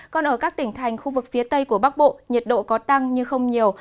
còn ở các tỉnh thành khu vực phía tây của bắc bộ nhiệt độ có tăng nhưng không nhiều